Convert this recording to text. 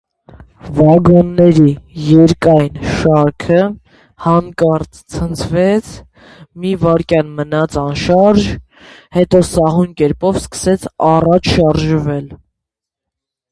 Վագոնների երկայն շարքը հանկարծ ցնցվեց, մի վայրկյան մնաց անշարժ, հետո սահուն կերպով սկսեց առաջ շարժվել: